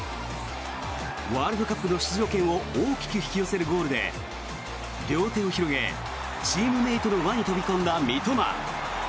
ワールドカップの出場権を大きく引き寄せるゴールで両手を広げ、チームメートの輪に飛び込んだ三笘。